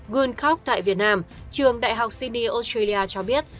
gurncock tại việt nam trường đại học sydney australia cho biết